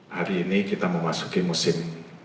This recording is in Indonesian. hari ini kita memasuki musim